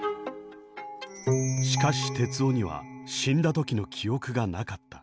しかし徹生には死んだ時の記憶がなかった。